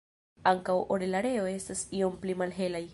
Ankaŭ orelareo estas iom pli malhelaj.